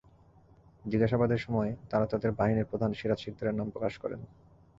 জিজ্ঞাসাবাদের সময় তাঁরা তাঁদের বাহিনীর প্রধান সিরাজ শিকদারের নাম প্রকাশ করেন।